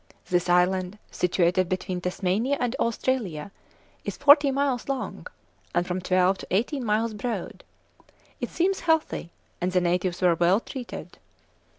This island, situated between Tasmania and Australia, is forty miles long, and from twelve to eighteen miles broad: it seems healthy, and the natives were well treated.